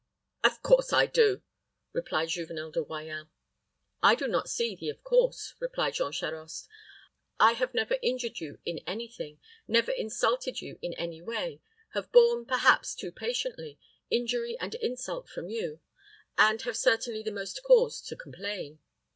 "Of course I do," replied Juvenel de Royans. "I do not see the of course," replied Jean Charost. "I have never injured you in any thing, never insulted you in any way, have borne, perhaps too patiently, injury and insult from you, and have certainly the most cause to complain."